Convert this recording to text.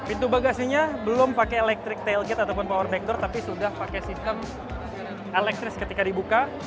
pintu bagasinya belum pakai electric tail gate ataupun power bactor tapi sudah pakai sistem elektris ketika dibuka